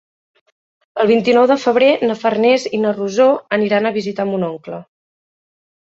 El vint-i-nou de febrer na Farners i na Rosó aniran a visitar mon oncle.